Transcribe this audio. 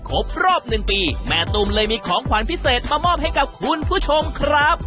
ครบรอบหนึ่งปีแม่ตุ้มเลยมีของขวัญพิเศษมามอบให้กับคุณผู้ชมครับ